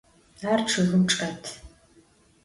Ar ççıgım çç'et.